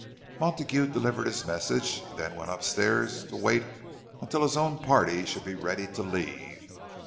Montague delivered his message, and then went upstairs to wait until his own party should be ready to leave.